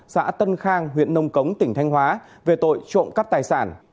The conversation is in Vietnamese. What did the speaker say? xã tân khang huyện nông cống tỉnh thanh hóa về tội trộm cắp tài sản